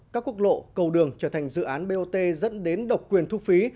các quốc lộ cầu đường trở thành dự án bot dẫn đến độc quyền thu phí